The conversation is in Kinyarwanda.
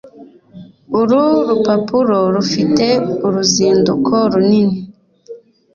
Uru rupapuro rufite uruzinduko runini.